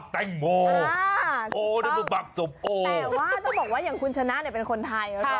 แตกว่าต้องบอกว่าอย่างคุณชนะเป็นคนไทย